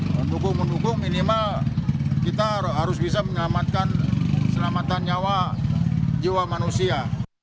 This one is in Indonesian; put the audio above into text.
mendukung mendukung minimal kita harus bisa menyelamatkan selamatan nyawa jiwa manusia